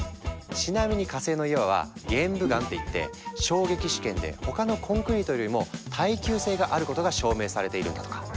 ちなみに火星の岩は「玄武岩」っていって衝撃試験で他のコンクリートよりも耐久性があることが証明されているんだとか。